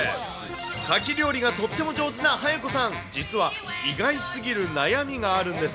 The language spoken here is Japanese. カキ料理がとっても上手な早子さん、実は意外過ぎる悩みがあるんです。